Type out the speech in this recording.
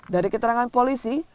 dari keterangan polisi